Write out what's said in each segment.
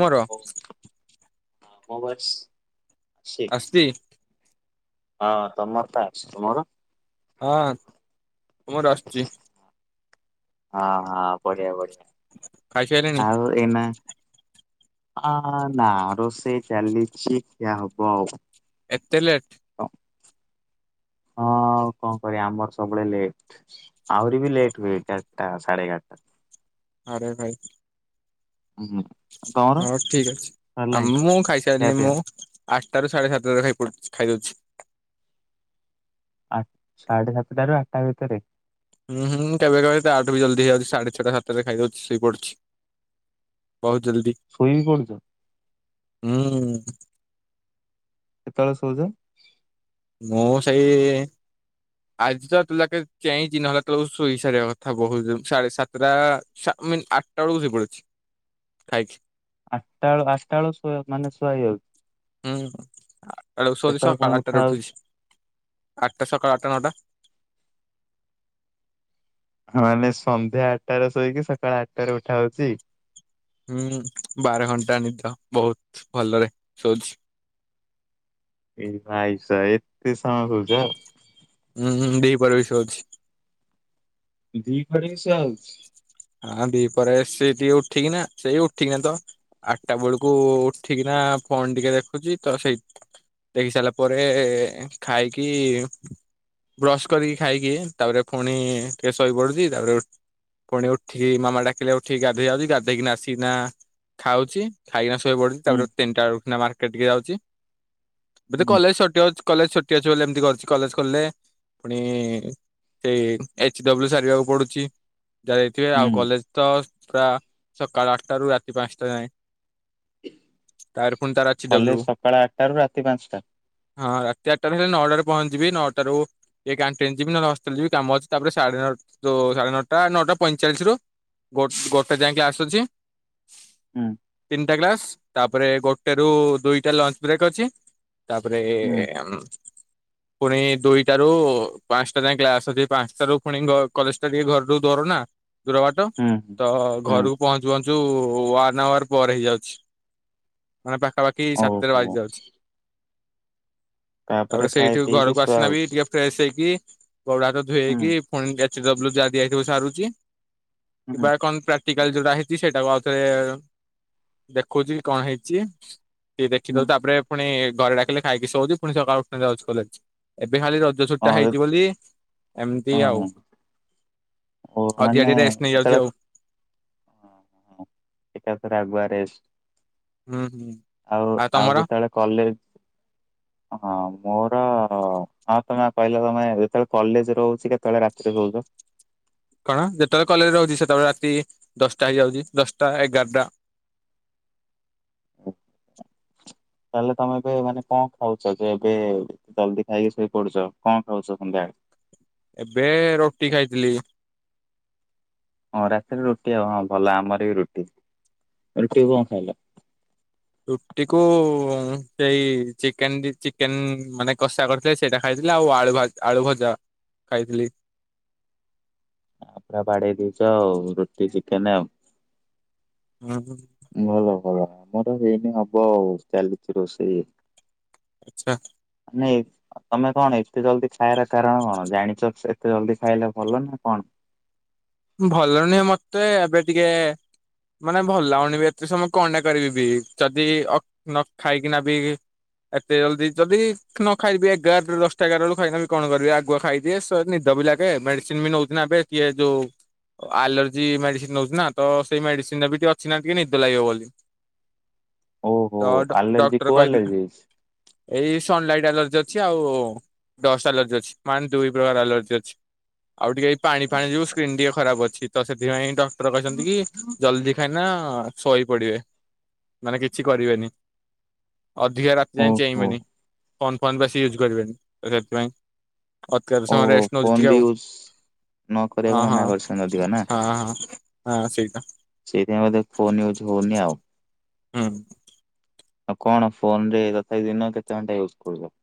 ମୋର [unintelligible] ସ୍ଥି। ହଁ ତମର ତା ଅଛି ତୁମର। ହଁ ତୁମର ଆସୁଚି। ହଁ ହଁ ବଢିଆ ଖାଇସାରିଲେଣି ବଢିଆ ଆଉ ଏଇନା ଅ ନା ଆ ରୋସେଇ ଚାଲିଛି ଖିଆ ହବ ଆଉ। ଏତେ ଲେଟ୍। ହଁ ହଁ ଆଉ କଣ କରିବା ଆମର ସବୁବେଳେ ଲେଟ। ଆହୁରି ବି ଲେଟ୍ ହୁଏ ଏଗାରଟା ସାଢେ ଏଗାରଟା। ଆରେ ଭାଇ। ହୁଁ ହୁଁ ତମର ହଉ ଠିକ ଅଛି ଆ ସରିଲାଣି ମୁଁ ଖିଆ ଖାଇସାରିଲି ପିଆ? ମୁଁ। ଆଠଟାରୁ ସାଢେ ସାତଟାରେ ଖାଇ ପଡୁଚି ଖାଇଦଉଛି। ଆ ସାଢେ ସାତଟା ରୁ ଆଠଟା ଭିତରେ। ହୁଁ ହୁଁ କେବେ କେବେ ତାଠୁ ବି ଜଲଦିହେଇଯାଉଚି ସାଢେ ଛଅ ଟା ସାତଟରେ ଖାଇଦଉଚି ସୋଇପଡୁଛି। ବହୁତ ଜଲ୍ଦି। ଶୋଇ ବି ପଡୁଚ ହୁଁ। କେତେବେଳେ ଶୋଉଚ? ମୁଁ ସେଇ ଇ ଆଜି ତ ଏତେ ଯାକେ ଚେଇଁଚି, ନ ନହେଲେ ଏତେ ବେଳକୁ ଶୋଇ ସାରିବା କଥା ବହୁତ ଜଲ୍ଦୀ ସାଢେ ସାତଟା। ସାମିନ୍ ଆଠଟା ବେଳକୁ ଶୋଇ ପଡିଛି ଖାଇକି ଆଟା ବେଳୁ ଆଟ ଟା ବେଳୁ ଶ ମାନେ ଶୁଆ ହେଇଯାଉଛି ହୁଁ, ଆଟ ଟା ବେଳକୁ ଶୋଉଚି, କେତେବେଳେ ପୁଣି ସକାଳ ଉଠା ଆଠଟାରେ ହଉଚି? ଉଠୁଛି ଆଠଟା ସକାଳ ଆଠଟା ନଅଟା। ହଁ ମାନେ ସନ୍ଧ୍ୟା ଆଠଟାରେ ଶୋଇକି ସକାଳ ଆଠଟାରେ ଉଠା ହଉଛି ହୁଁ ବାର ଘଣ୍ଟା ନିଦ ବହୁତ ଭଲରେ ଶୁଉଛି ଏଇ ଭାଇସ ଏତେ ସମୟ ଶଉଛ ହୁଁ ହୁଁ ଦିପହର ବି ଶଉଛି ଦିପହରେ ବି ଶୁଆ ହଉଛି ହଁ ଦି ପରେ ସେ ଟିକେ ଉଠିକି ନା ସେଇ ଉଠିକିନା ତ ଆଠଟା ବେଳକୁ ଉଠିକିନା ଫୋନ ଟିକେ ଦେଖୁଛି ତ ସେଇ ଦେଖି ସାରିଲା ପରେ ଖାଇକି ବ୍ରସ୍ କରିକି ଖାଇକି ତାପରେ ପୁଣି ଟିକେ ଶେଇପଡୁଛି ତାପରେ ପୁଣି ଉ ଠିକି ମାମା ଡାକିଲେ ଉଠିକି ଗାଧେଇ ଯାଉଛି ଗାଧେଇକି ଆସିକିନା ଖାଉଛି ଖାଇକିନା ଶୋଇପଡୁଛି ହୁଁ ତାପରେ ତିନିଟା ବେଳକୁ ଉଠିକିନା ମାର୍କେଟ୍ ଟିକେ ଯାଉଛି ହୁଁ କଲେଜ୍ ଛିଟି ଅଛି କଲେଜ୍ ଛୁଟି ଅଛି ବୋଲି ଏମିତି କରୁଛି କଲେଜ୍ ଖେଲିଲେ ପୁଣି ଏଇ ଏଚ୍ ଡବ୍ଲୁ ସାରିବାକୁ ପଡୁଛି ଯା ଇକି ଆଉ ହୁଁ କଲେଜ୍ ତ ପୁରା ସକାଳ ଆଟାରୁ ରାତି ପାଞ୍ଚଟା ଯାଏ ତାର ପୁଣି ତାର ଆଚ୍ଚ ଡବ୍ଲୁ କଲେଜ ସକାଳ ଆଠଟା ରୁ ରାତି ପାଞ୍ଚଟା। ହଁ ରାତି ଆଟାରେ ହେଲେ ନଅଟାରେ ପହଞ୍ଚିବି ନଅଟାରୁ ଏ କେଂଟିନି ଯିବି ନେହେଲେ ହଷ୍ଟେଲ୍ ଯିବି କାମ ଅଛି ତାପରେ ସାଢେ ଯଉ ସାଢେ ନଅଟା ନଅଟା ପଇଁଚାଳିଶ ରୁ ଗୋଟ ଗୋଟେ ଯାଏ କ୍ଲାସ୍ ଅଛି ହୁଁ ତିନିଟା କ୍ଲାସ୍ ତାପରେ ଗୋଟେ ରୁ ଦୁଇଟା ଲଞ୍ଚ୍ ବ୍ରେକ୍ ଅଛି ତାପରେ ଏ ହୁଁ ଅମ୍ମ ପୁଣି ଦୁଇଟାରୁ ପାଞ୍ଚଟା ଯାଏଁ କ୍ଲାସ୍ ଅଛି ପାଞ୍ଚଟାରୁ ପୁଣି କଲେଜ୍ ଟା ଟିକେ ଘରଠୁ ଦୁର ନା ଦୂର ବାଟ ହୁଁ ହୁଁ। ତ ହୁଁ ଘରକୁ ପହଞ୍ଚୁ ପହଞ୍ଚୁ ୱନ୍ ଆୱାର ପରେ ହେଇଯାଉଛି ମାନେ ପାଖାପାଖି ସାତଟା ଓହୋ ବାଜି ଯାଉଛି ତାପରେ ଖାଇ ସେଇଠୁ ପିଇକି ଘରକୁ ଶୁଆ ଆସନା ବି ହଉଛି। ଟିକେ ଫ୍ରେଶ୍ ହେଇକି ଗୋଡ ହାତ ଧୋଇ ହେଇକି ହୁଁ ପୁଣି ଏଚ୍ ଡବ୍ଲ୍ୟୁ ଯାହା ଦିଆ ହେଇ ଥିବ ସାରୁଛି ହୁଁ କିବା କଣ ପ୍ରା କ୍ଟିଟାଲ ଯୋଉଟା ହେଇଛି ସେଇଟାକୁ ଆଉ ଥରେ ଦେଖଉଛି କଣ ହେଇଛି ଟିକେ ହୁଁ। ଦେଖିଦେଉଛି ତାପରେ ପୁଣି ଘରେ ଡାକିଲେ ଖାଇକି ଶୋଉଛି ପୁଣି ସକାଳୁ ଉଠି ଯାଉଛି କଲେଜ୍ ଏବେ ଖାଲି ର ଜ ଛୁଟି ଟା ହଁ ହେଇଛି ବୋଲି ଏମିତି ହଁ ଆଉ ଓ ଅଧିକା ମାନେ ଟିକେ ରେଷ୍ଟ ନେଇଯାଉଛି ଏଥର ଆଉ। ଏକାଥରେ ଆଗୁଆ ରେଷ୍ଟ ହୁଁ ହୁଁ ଆଉ ଆଉ କେତେବେଳେ କଲେଜ୍ ହ ହଁ ମୋର ହଁ ତମେ କହିଲ ତମେ ଯେତେବେଳେ କଲେଜ୍ ରହୁଛି କେତେବେଳେ ରାତିରେ ରହୁଛ କଣ ଯେତେବେଳେ କଲେଜ୍ ରହୁଛି ସେତେବେଳେ ରାତି ଦଶଟା ହେଇଯାଉଛି ଦଶଟା ଏଗାରଟା ତାହେଲେ ତମେ ଏବେ ମାନେ କଣ ଖାଉଛ ଯେ ଏବେ ଜଲ୍ଦି ଖାଇକି ଶୋଇ ପଡୁଛ କଣ ଖାଉଛ ସନ୍ଧ୍ୟାବେଳେ ଏବେ ରୁଟି ଖାଇଥିଲି ହଁ ରାତିରେ ରୁଟି ଆଉ ହଁ ଭଲ ଆମର ବି ରୁଟି ରୁଟିକୁ କଣ ଖାଇଲ ରୁଟି କୁ ସେଇ ଚିକେନ୍ ଚିକେନ୍ ମାନେ କସା କ ସେଇଟା ଖାଇଥିଲି ଆଉ ଆଳୁ ଆଳୁ ଭଜା ଖାଇଥିଲି ପୁରା ବାଡ଼େଇ ଦେଇଛ ଆଉ ରୁଟି ଚିକେନ୍ ଆଉ ହୁଁ ହୁଁ ଭଲ ଭଲ ଆମର ହେଇନି ହବ ଆଉ ଚାଲିଛି ରୋଷେଇ ଆଛା ନାଇଁ ତମେ କଣ ଏତେ ଜଲ୍ଦି ଖାଇାର କାରଣ କଣ ଜାଣିଛ ଏତେ ଜଲ୍ଦି ଖାଇଲେ ଭଲ ନା କଣ ଭଲ ନୁହେଁ ମତେ ଏବେ ଟିକେ ଏ ମାନେ ଭଲ ଲାଗିନି ବି ଏତେ ସମୟ କଣଟା କରିବି ବି ଯଦି ନ ଖାଇକିନା ବି ଏତେ ଜଲ୍ଦି ଯଦି ନ ଖାଇବି ଏଗାର ଦଶଟା ଏଗାର ଫାଇନାଲରେ କଣ କରିବି ଆଗୁଆ ଖାଇଦିଏ ନିଦ ବି ଲାଗେ ମେଡିସିନି ବି ନେଉଛି ନା ଏବେ ଇଏ ଯୋଉ ଆଲର୍ଜି ମେଡିସିନି ନେଉଛି ନା ତ ସେଇ ମେଡିସିନି ବି ଟିକେ ଅଛି ନା ଟିକେ ନିଦ ଲାଗିବ ବୋଲି ଓହୋ ତ ଆଲର୍ଜି ଡାକ୍ଟର କୋଉ କହି ଆଲର୍ଜି ହେଇଛି? ଏଇ ସନ୍ଲଲାଇଟି ଆଲର୍ଜି ଅଛି ଆଉ ଟସ୍ ଆଲର୍ଜି ଅଛି ମାନେ ଦୁଇ ପ୍ରକାର ଆଲର୍ଜି ଅଛି ଆଉ ଟିକେ ପାଣି ଫାଣି ଯୋଗୁ ସ୍କ୍ରିନ୍ ଟିକେ ଖରାପ ଅଛି ତ ସେଥିପାଇଁ ଡକ୍ଟର କହିଛନ୍ତି କି ଜଲ୍ଦି ଖାଇଁନା ଶୋଇ ପଡିବେ ମାନେ କିଛି କରିବେନି ଅଧିକା ରାତ୍ ଯାଏଁ ଓହୋ ଚେଇଁବେନି ଫୋନ ଫୋନ ବେଶ ୟୁଜ କରିବେନି ତ ସେଥିପାଇଁ। ଅତ୍ୟଧିକ ଓ ସମୟ ରେଷ୍ଟ ନଉଛି ଫୋନ ଟିକେ ବି ଆଉ ୟୁଜ ନ ହଁ କରିବାକୁ ହଁ ମନା କରିଛନ୍ତି ଅଧିକ ନା। ହଁ ହଁ ସେଇଟା। ସେଇଥି ପାଇଁ ବୋଧେ ଫୋନ ୟୁଜ ହଉନି ଆଉ। ହୁଁ। ଆଉ କଣ ଫୋନ ରେ ତଥାପି ଦିନ କେତେ ଘଣ୍ଟା ୟୁଜ୍ କରୁଛନ୍ତି।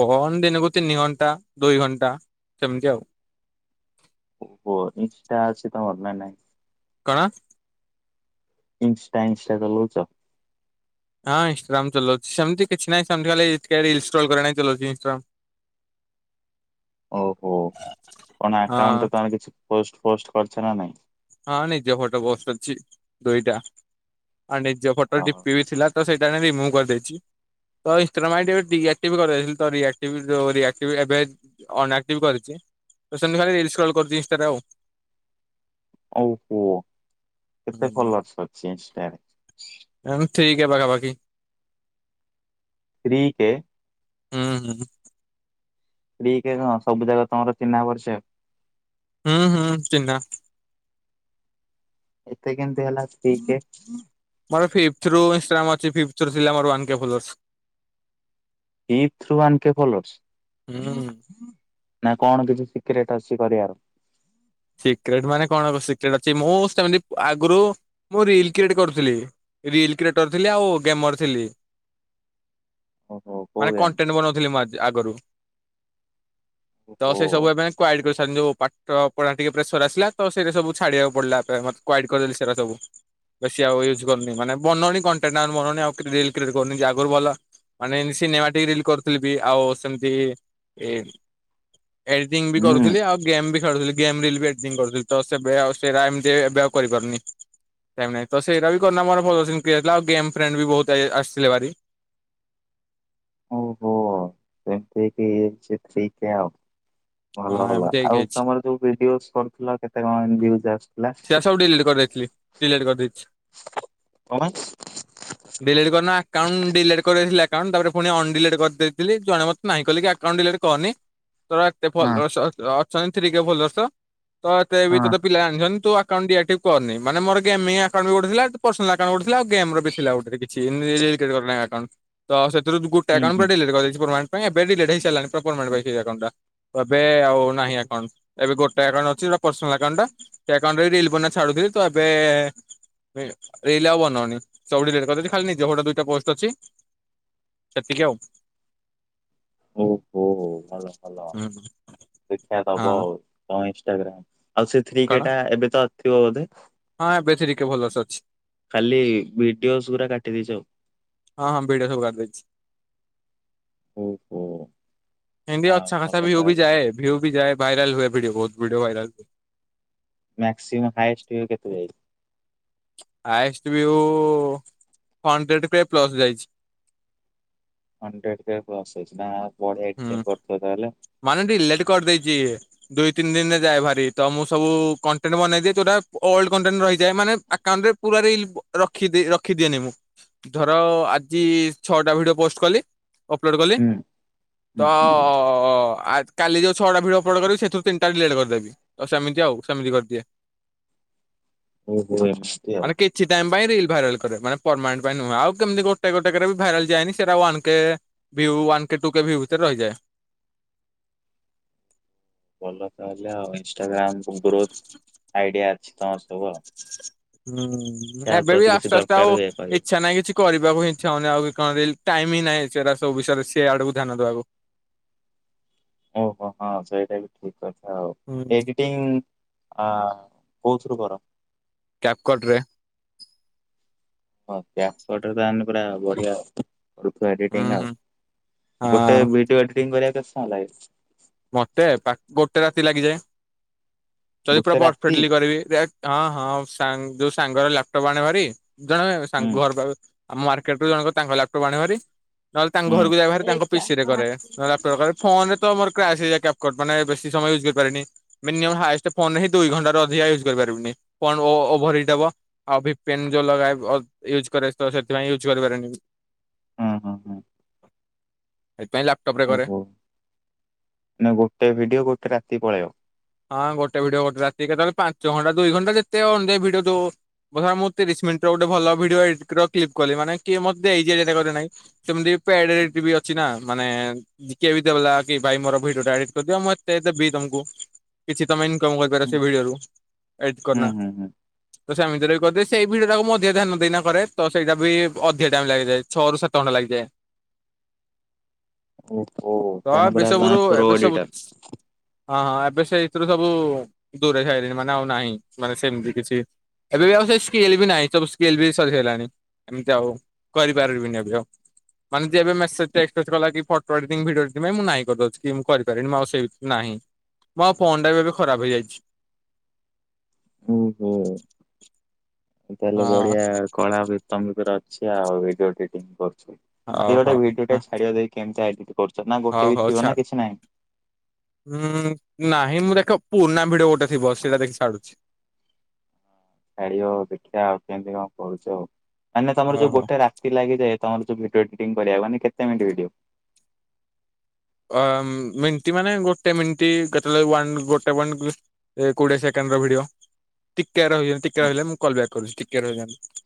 କଣ ଦିନକୁ ତିନି ଘଣ୍ଟା, ଦୁଇ ଘଣ୍ଟା ସେମିତି ଆଉ। ଫୋର୍ ଈଞ୍ଚ ଟା ଅଛି ତମର ନାଁ ନାଇଁ। କଣ? ଇନଷ୍ଟା, ଇନଷ୍ଟା ଚଲୋଉଛ। ହଁ ଇନଷ୍ଟାଗ୍ରାମ ଚଲଉଛି ସେମତି କିଛି ନାହିଁ ସେମତି ଖାଲି ଥ୍ରେଡ ଇନଷ୍ଟଲ କରିବା ପାଇଁ ଚଲଉଛି ଇନଷ୍ଟାଗ୍ରାମ। [unintelligible] ଓହୋ କଣ ହଁ ଆକାଉଣ୍ଟରେ ତମର କିଛି ପୋଷ୍ଟ ଫୋଷ୍ଟ କରିଛ ନା ନାଇଁ। ହଁ ନିଜ ଫଟୋ ପୋଷ୍ଟ କରିଛି ଦୁଇଟା ଆଉ ନିଜ ଫଟୋ ଡିପି ବି ଥିଲା। ତ ସେଇଟା ଏବେ ରିମୁଭ୍ କରିଦେଇଛି। ତ ଇନଷ୍ଟ୍ରମ ଆଇଡି ଏବେ ଡିଆକ୍ଟିଭ କରିଦେଇଥିଲି ତ ଡିଆକ୍ଟିଭ ରିଆକ୍ଟିଭ ଏବେ ଅନଆକ୍ଟିଭ କରିଛି ତ ସେମିତି ଖାଲି ରିଲିସ କଲ କରୁଛି ଇନଷ୍ଟା ରେ ଆଉ। ଓ ହୋ କେତେ ହୁଁ ଫଲୋର୍ସ ଅଛି ଇନଷ୍ଟା ରେ। ତାକୁ ଥ୍ରି କେ ପାଖା ପାଖି। Three K. ହୁଁ ହୁଁ। ଥ୍ରି କେ କଣ ସବୁ ଜାଗ ତମର ଚିହ୍ନା ପରିଚ। ହୁଁ ହୁଁ ଚିହ୍ନା। ଏତେ କେମତି ହେଲା ଥ୍ରି କେ। ମୋରି୍ ଫିପଥ ରୁ ଇନଷ୍ଟାଗ୍ରାମ ଅଛି ଫିପ୍ଥ ରୁ ଥିଲା ମୋର ୱାନ କେ ଫୋଲୋୱର୍ସ। ଫିପିଥ୍ ରୁ ୱାନ୍ କେ ଫଲୋର୍ଶ୍। ହୁଁ। ନା କଣ କିଛି ସିକ୍ରେଟ୍ ଅଛି କରିବାର। ସିକ୍ରେଟ ମାନେ କଣ ସିକ୍ରେଟ ଅଛି ମୁଁ ସେମିତି ଆଗରୁ ମୁଁ ରିଲ କ୍ରିଏଟ କରୁଥିଲି। ରିଲ କ୍ରିଏଟର ଥିଲି ଆଉ ଗେମର ଥିଲି। ଓହୋ କୋଉ ମାନେ ଗେମ୍? କଣ୍ଟେନ ବନଉଥିଲି ମୁ ଆ ଆଗରୁ। ତ ଓହୋ ସେଇ ସବୁ ଏବେ କ୍ୱାଇଡ କରିସରିଲିଣି ଯୋଉ ପାଠ ପଢା ଟିକେ ପ୍ରେସର ଆସିଲା ତ ସେ ସବୁଛଡିବାକୁ ପଡିଲା ଟ ମତେ କ୍ଵାଇଡ କରିଦଲି ସେ ସବୁ। ବେଶୀ ଆଉ ୟୁଜ୍ କରୁନି ମାନେ ବନଉନି କଣ୍ଟେନ ଆଉ ବନଉନି ଆଉ ରିଲ୍ସ କ୍ରିଏଟ୍ କରୁନି ଆଗରୁ ଭଲ ମାନେ ଏମତି ସିନେମା ଟିକ୍ ରିଲ କରୁଥିଲ ବି ଆଉ ସେମିତି ଏ ଏଡିଟିଂ ବି ହୁଁ କରୁଥିଲି ଆଉ ଗେମ୍ ବି ଖେଳୁଥିଲି। ଗେମରିଲ ବି ଆକ୍ଟିଭ କରୁଥିଲି ତ ସେବେ ଆଉ ସେଟା ଏମିତି ଏବେ ଆଉ କରିପାରୁନି। ଏମେତି ତ ସେଇରା ବି କରିନା ମୋର ଭଲ ସିନ୍ କେ ଆସଥିଲା ଆଉ ଗେମ ଫ୍ରେଣ୍ଡ ବି ବହୁତ ଆସିଥିଲେ ଭାରି। ଓହୋ ସେମିତି ହେଇକି ହେଇଯାଇଛି ଥ୍ରି କେ ଆଉ। ହଁ ଭଲ ହେଲା ଏମିତି ହେଇକି ଆଉ ହେଇଛି ତମର ଯୋଉ ଭିଡିଓଜ କରୁଥିଲ କେତେ କଣ ଏମତି ଭିଉଜ ଆସୁ ସରା ସବୁ ଡିଲିଟ୍ କରିଦେଇଥିଲି ଡିଲିଟ୍ କରିଦେଇଛି। କଞ୍ଚ। ଡିଲିଟ୍ କରିନା। ଆକାଉଣ୍ଟ ଡିଲେଟ କରିଦେଇଥିଲି ଆକାଉଣ୍ଟ ତାପରେ ପୁଣି ଅନ୍ ଡିଲେଟ କରିଦେଇଥିଲି ଜଣେ ମତେ ନାହିଁ କିଲେକି ଆକାଉଣ୍ଟ ଡିିଲେଟ୍ କରନି। ତୋର ଏତେ ହଁ ଫଲୋର୍ସ ଅଛ ଅଛନ୍ତି ଥ୍ରି କେ ଫଲୋର୍ସ ତ ଏତ ବି ହଁ। ତତେ ପିଲା ଆଣିଛନ୍ତି। ତୁ ଆକାଉଣ୍ଟ ଡିଆକଟିଭ୍ କରନି ମାନେ ମୋର ଗେମି ଆକାଉଣ୍ଟ ଗୋଟେ ବି ଥିଲା ପର୍ସନାଲ ଆକାଉଣ୍ଟ ଗୋଟେ ଥିଲା ଆଉ ଗେମ୍ ର ବି ଥିଲା ଗୋଟେ କିଛି [inaudible] ତ ସେଥିରୁ ଗୋଟେ ହୁଁ ଆକାଉଣ୍ଟ୍ ପୁରା ହୁଁ ଡିଲିଟ୍ କରିଦେଇଚି ପୂରୁଣା ନା ଏବେ ଡିଲିଟ୍ ହେଇ ସାରିଲାଣି ପ୍ରପରମେଣ୍ଟ୍ ପାଇଁ ସେଇ ଆକାଉଣ୍ଟ୍ ଟା। ଏବେ ଆଉ ନାହିଁ ଆକାଉଣ୍ଟ୍ ଏବେ ଗୋଟେ ଆକାଉଣ୍ଟ୍ ଅଛି ଯୋଉଟା ପର୍ସନାଲ ଆକାଉଣ୍ଟ୍ ଟା ସେ ଆକାଉଣ୍ଟ୍ ରେ ରିଲ୍ ବନା ଛାଡୁଥିଲି ତ ଏବେ ଏବେ ରିଲ୍ ଆଉ ବନଉନି ସବୁ ଡିଲିଟ୍ କରିଦେଇଚି ଖାଲି ନିଜ ଫଟୋ ଦୁଇଟା ପୋଷ୍ଟ ଅଛି ସେତିକି ଆଉ। ଓହୋ ଭଲ ଭଲ ଦେଖିଆ ଦବ ହଁ ଅଉ। ହଁ ଇନଷ୍ଟାଗ୍ରାମ୍ ଆଉ ସେଥିରି ବି କଣ କେଟା ଏବେ ତ ଥିବ ବୋଧେ? ହଁ ଏବେ ସେ ଟିକେ ଭଲସେ ଅଛି। ଖାଲି ଭିଡିଓସ୍ ଗୁରା କାଟି ଦେଇଚି ଆଉ। ହଁ ହଁ ଭିଡିଓ ସବୁ କାଟି ଦେଇଛି। ଓହୋ। ଏମ୍ ବି ଆ ଆଛା ଭଲ ଖାସା ଭିୟୁ ବି ତାହେଲେ ଯଏ ଭିୟୁ ବି ଯଏ ଭାଇରାଲ୍ ହୁଏ ଭିଡିଓ ବହୁତ୍ video viral maximum highest view କେତେ ଯାଇଚି? Highest view hundred K plus ଯାଇଚି। ହଣ୍ଡ୍ରେଡ୍ କେ ପ୍ଲସ୍ ଅଛି ତାପରେ ହୁଁ ଏକ୍ଟିଙ୍ଗି କରୁଥିବେ ତାହେଲେ ମାନେ ଡିଲେଟ୍ କରିଦେଇଚି। ଦୁଇ ତିନି ଦିନରେ ଯାଏ ଭାରି ତ ମୁଁ ସବୁ କଣ୍ଟେଣ୍ଟ ବନେଇଦିଏ ଯୋଉଟା ଓଲଡ୍ କଣ୍ଟେଣ୍ଟ ରହିଯାଏ ମାନେ ଆକାଉଣ୍ଟ ରେ ପୁରା ରିଲ୍ ରଖିଦି ରଖିଦିଏନି ମୁଁ ଧର ଆଜି ଛଅଟା ଭିଡିଓ ପୋଷ୍ଟ୍ କଲି ଅପ୍ଲୋଡ଼୍ କଲି ହୁଁ ହୁଁ ତ ଆ କାଲି ଯୋଉ ଛଅଟା ଭିଡ଼ଓ ଅପଲୋଡ୍ କରିବି ସେଥିରୁ ତିନିଟାରେ ଡିଲେଟ୍ କରିଦେବି ତ ସେମିତି ଆଉ ସେମିତି କରିଦିଏ। ଓହୋ ଏମିତି୍ ଆଉ। ମାନେ କିଛି ଟାଇମ୍ ପାଇଁ ରିଲ୍ ଭାଇରାଲ୍ କରେ ମାନେ ପରମାନେଣ୍ଟ୍ ପାଇଁ ନୁହ ଆଉ କେମିତି ଗୋଟେ ଗୋଟେ ବି ଭାଇରାଲ୍ ଯାଏନି ସେଇଟା one K view one K two K view ଭିତରେ ରହିଯାଏ। ଭଲ ତାହେଲେ ଆଉ ଇନଷ୍ଟାଗ୍ରାମ୍ [inaudible] ଗ୍ରୋଥ ଆଇଡିଆ ଅଛି ତମର ସବୁ। ଆଉ। ହୁଁ ଦେଖିଆ ଆଉ ଏବେ ବି ଯଦି କିଛି ଆସ୍ତେ ଆସ୍ତେ ଦରକାର ଆଉ ହୁଏ କହିବ। ଇଚ୍ଛା ନାହିଁ କିଛି କରିବାକୁ ଇଚ୍ଛା ହଉନି ଆଉବି କଣ ରିଲ୍ ଟାଇମ୍ ହିଁ ନାଇଁ ସେଗରା ସବୁ ବିଷୟରେ ସେ ଆଡକୁ ଧ୍ୟାନ ଦବାକୁ। ଓହୋ ହଁ ସେଇଟା ବି ଠିକ୍ କଥା ଆଉ ହୁଁ। ଏଡିଟିଂ ଆ କୋଉଥୁରୁ କର? କ୍ୟାପକଟ୍ ରେ। ହଁ କ୍ୟାପକଟ୍ ରେ ତାମାନେ ପୁରା ବଢିଆ। ର୍ [inaudible] ହୁଁ ଏଡିଟିଂ ଆଉ ହୁଁ ଗୋଟେ ହଁ ବିଡିଓ ଏଡିଟିଂ କରିଆ କେତ୍ ସମୟ ଲାଗେ? ମତେ ପା ଗୋଟେ ରାତି ଲାଗିଯାଏ ଯଦି ପୁରା ଗୋଟେ ରାତି ପରଫେକ୍ଟଲି କରିବି। ହଁ ହଁ ସାଙ୍ଗ୍ ଯୋଉ ସାଙ୍ଗର ଲାପଟପ୍ ଆଣେ ଭାରି ଜଣେ ସା ହୁଁ ଘରପାଖର ଆମ ମାର୍କେଟରେ ଜଣକ ତାଙ୍କ ଲ୍ୟାପଟପ୍ ଆଣେ ଭାରି ନହେଲେ ତାଙ୍କ ହୁଁ ଘରକୁ ଯାଇଭାରି ତାଙ୍କ ପିସି ରେ କରେ ତାଙ୍କ ଲାପଟପ୍ କାଳେ ଫୋନ୍ ରେ ତ ମୋର କ୍ରାସ୍ ହେଇଯାଏ କ୍ୟାପକଟ୍ ମାନେ ବେଶୀ ସମୟ ୟୁଜ୍ କରିପାରେନି ମିନିମମ୍ ହାଏଷ୍ଟ ଫୋନ୍ ହିଁ ଦୁଇ ଘଣ୍ଟାରୁ ଅଧିକ ୟୁଜ୍ କରିପାରିବୁନି ଫୋନ୍ ଓ ଓଭର ହିଟ୍ ହବ ଆଉ ବିପିନ୍ ଯୋଲରାଏ୍ ଅ ୟୁଜ୍ କରେ ତ ସେଥିପାଇଁ ୟୁଜ୍ କରିପାରେନି। ହଁ ହଁ ହଁ। ସେଥିପାଇଁ ଲାପ୍ ଓହୋ ନ ଗୋଟେ ଭିଡିଓ ଗୋଟେ ରାତି ପଳେଇବ ହଁ ଗୋଟେ ଭିଡିଓ ଗୋଟେ ରାତି କେତେବେଳେ ପାଞ୍ଚ ଘଣ୍ଟା ଦୁଇ ଘଣ୍ଟା ଯେତେ ଅନୁଯାଇ ଭିଡିଓ ଦଉ କହିଲା ମୁଁ ତିରିଶ୍ ମିନିଟ୍ ର ଗୋଟେ ଭଲ [inaudible] ଭିଡିଓ କ୍ଲିକ୍ କଲି ମା କି ମୋତେ ଏଇଟାରୋଇଁ [inaudible] ସେମିତି ପେଡରାଇଟି ଅଛି ନା ମାନେ ଜିକେ ବି ଦେଲା କି ଭାଇ ମୋର ଭିଡିଓ ଟା ଏଡିଟ କରିଦିଅ ମୁଁ ଏତେ ଦେବି ତମକୁ। କିଛି ତମେ ଇନକମ୍ କରିପାର ହୁଁ ସେ ଭିଡିଓରୁ। ଏଡିଟ ହୁଁ କରନା। ହୁଁ ହୁଁ ତ ସେମିତିରେ ବି କହିଦିଏ। ସେଇ ଭିଡ଼ିଅ ଟାକୁ ମଧ୍ୟ ଧ୍ୟାନ ଦେଇନାଇ ପାରେ। ତ ସେଇଟା ବି ଅଧିକ ଟାଇମ ଲାଗିଯାଏ। ଛଅ ରୁ ସାତ ଘଣ୍ଟା ଲାଗିଯାଏ। ଓହୋ ତାହେଲେ ପୁରା ତମେ ପ୍ରୋ ଏଡିଟର। [unintelligible] ହଁ ହଁ ଏବେ ସେ ସେଥିରୁ ସବୁ ଦୂରେଇ ସାଇଲିଣି ମାନେ ଆଉ ନାହିଁ ମାନେ ସେମିତି କିଛି ଏବେ ବି ଆଉ ସେ ସ୍କେଲବି ନାହିଁ ସବୁ ସ୍କେଲ ବି ସରି ସାରିଲାଣି। ଏମିତି ଆଉ କରିପାରିବିନି। ଏବେ ଆଉ। ମାନେ ଯିଏ ଏବେ ମେସେଜ ଟେକ୍ସଟ ଫେକ୍ଷ୍ଟ କଲାକି ଫଟୋ ଏଡିଟିଙ୍ଗ ଭିଡିଓ ତେବେ ମୁଁ ନାଇଁ କରିଦଉଛି କି ମୁଁ କରିପାରିବିନି। ମୁଁ ଆଉ ସେଇ ନାହିଁ। ମୋ ଫୋନ୍ ଟାବି ଏବେ ଖରାପ ହେଇଯାଇଛି। ଓ ହୋ। ତାହେଲେ ହଁ ବଢିଆ କଳା ତମ ଭିତରେ ଅଛି ଆଉ। ଭିଡିଓ ଏଡିଟିଂ କରୁଛ ହଉ ଭାଇ ଗୋଟେ ଭିଡିଓ ହଉ ଟାଏ ଛାଡିବ ଦେ [unintelligible] କେମିତି ଇଏଡିଟି କରୁଛ ନା ଗୋଟେ ବି ଥିବ ନା କିଛି ନାହିଁ। ହୁଁ ନାହିଁ ମୁଁ ଦେଖ ପୁରୁଣା ଭିଡଓ ଗୋଟେ ଥିବ ସେଇଟା ଦେଖି ଛାଡୁଛି। ଛାଡିବ ଦେଖିବା ଆଉ କେମିତି କଣ କରୁଛ। ମାନେ ତମର ଯୋଉ ଓହୋ ଗୋଟେ ରା ତି ଲାଗିଯାଏ ତମର ଯୋଉ ଭିଡିଓ ଏଡିଟିଂ କରିବାକୁ ମାନେ କେତେ ମିନିଟ ଭିଡିଓ? ଅ ମିଣ୍ଟି ମାନେ ଗୋଟେ ମିନଟି କେତେବେଳେ ୱାନ ଗୋଟେ ପଏଣ୍ଟ ଏ କୋଡିଏ ସେକେଣ୍ଡ ର ଭିଡିଓ। ଟିକେ ରହିବେ ଟିକେ ରହିଲେ। ମୁଁ କଲ ବ୍ୟାକ କରୁଛି। ଟିକେ ରହିଯାନ୍ତୁ।